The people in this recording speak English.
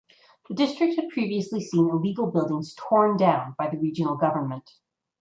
The district had previously seen illegal buildings torn down by the regional government.